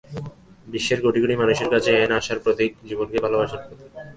বিশ্বের কোটি কোটি মানুষের কাছে অ্যান আশার প্রতীক, জীবনকে ভালোবাসার প্রতীক।